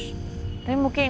menyayangi kamu dengan pulus